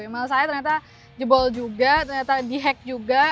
malah saya ternyata jebol juga ternyata di hack juga